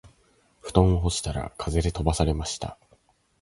布団を干したら風で飛ばされました